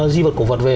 di vật cổ vật về